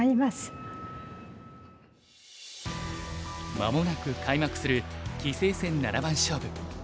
間もなく開幕する棋聖戦七番勝負。